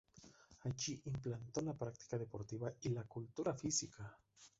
Allí implantó la práctica deportiva y la cultura física.